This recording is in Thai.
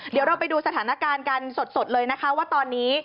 เดี๋ยวเราไปดูสถานการณ์กันสดเลยนะคะว่าตอนนี้